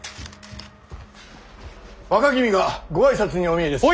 若君がご挨拶にお見えです。